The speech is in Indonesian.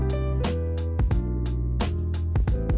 terimakasih telah menonton